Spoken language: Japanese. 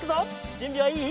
じゅんびはいい？